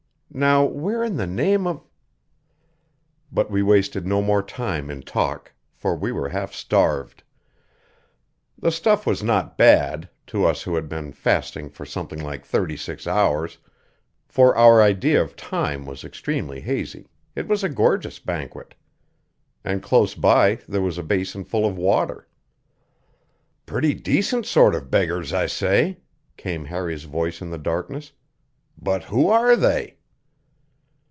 Now, where in the name of " But we wasted no more time in talk, for we were half starved. The stuff was not bad; to us who had been fasting for something like thirty six hours for our idea of time was extremely hazy it was a gorgeous banquet. And close by there was a basin full of water. "Pretty decent sort of beggars, I say," came Harry's voice in the darkness. "But who are they?"